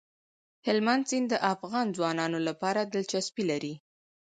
هلمند سیند د افغان ځوانانو لپاره دلچسپي لري.